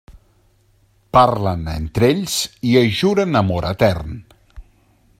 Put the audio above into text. Parlen entre ells i es juren amor etern.